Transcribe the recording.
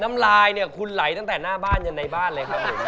น้ำลายเนี่ยคุณไหลตั้งแต่หน้าบ้านจนในบ้านเลยครับผม